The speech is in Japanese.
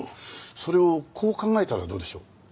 それをこう考えたらどうでしょう？